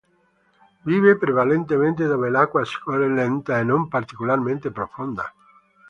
Vive prevalentemente dove l'acqua scorre lenta e non è particolarmente profonda.